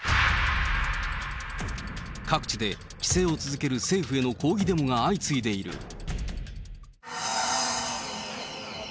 各地で、規制を続ける政府への抗議デモが相次いでいる。